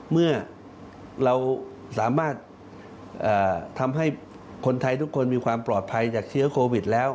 เมื่อเราสามารถทำให้คนไทยทุกคนมีความปลอดภัยจากเชื้อโควิดแล้ว